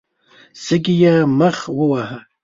شګې يې مخ وواهه.